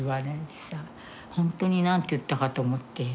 本当に何て言ったかと思って。